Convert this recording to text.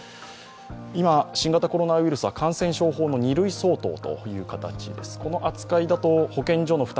今、新型コロナウイルスは感染症法の２類相当という扱いです。